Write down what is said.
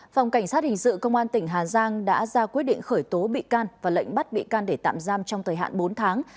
phòng cảnh sát hình sự công an tỉnh hà giang đã ra quyết định khởi tố bị can và lệnh bắt bị can để tạm giam trong thời hạn bốn tháng